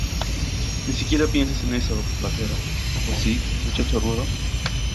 Ni siquiera pienses en eso, vaquero. ¿ O sí , muchacho rudo?